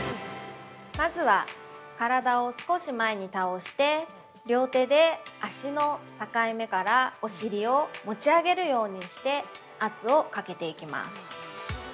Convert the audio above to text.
◆まずは、体を少し前に倒して両手で足の境目からお尻を持ち上げるようにして圧をかけていきます。